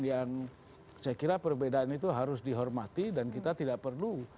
yang saya kira perbedaan itu harus dihormati dan kita tidak perlu